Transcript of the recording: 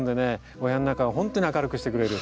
お部屋の中をほんとに明るくしてくれる。